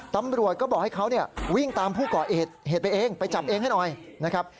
ตำรวจก็บอกให้เขาเนี่ยวิ่งตามผู้ก่อเหตุเหตุไปเองไปจับเองให้หน่อยนะครับ